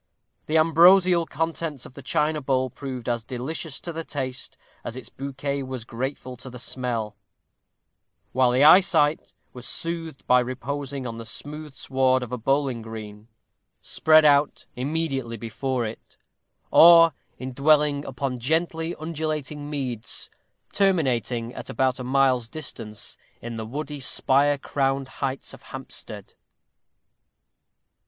The ambrosial contents of the china bowl proved as delicious to the taste as its bouquet was grateful to the smell; while the eyesight was soothed by reposing on the smooth sward of a bowling green spread out immediately before it, or in dwelling upon gently undulating meads, terminating, at about a mile's distance, in the woody, spire crowned heights of Hampstead.